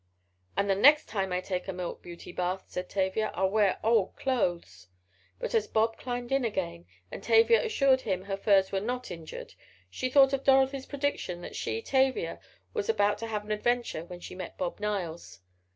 "And the next time I take a milk beauty bath," said Tavia, "I'll wear old clothes." But as Bob climbed in again, and Tavia assured him her furs were not injured, she thought of Dorothy's prediction that she, Tavia, was about to have an adventure when she met Bob Niles.